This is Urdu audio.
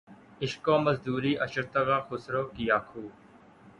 عشق و مزدوریِ عشر تگہِ خسرو‘ کیا خوب!